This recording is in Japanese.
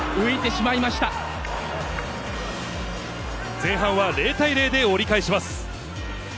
前半は０対０で折り返します。